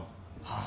ああ。